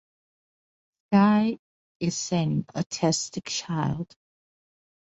Skye is an autistic child.